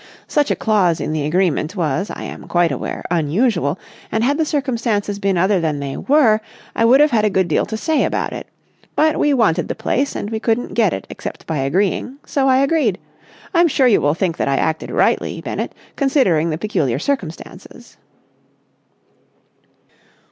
Such a clause in the agreement was, I am quite aware, unusual, and, had the circumstances been other than they were, I would have had a good deal to say about it. But we wanted the place, and we couldn't get it except by agreeing, so I agreed. I'm sure you will think that I acted rightly, Bennett, considering the peculiar circumstances."